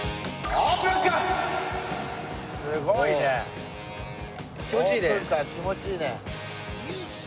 オープンカー気持ちいいね。